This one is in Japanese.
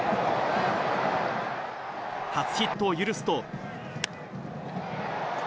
初ヒットを許すと。